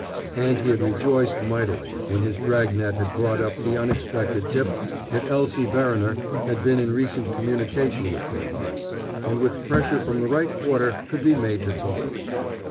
And he had rejoiced mightily when his dragnet had brought up the unexpected tip that Elsie Verriner had been in recent communication with Binhart, and with pressure from the right quarter could be made to talk.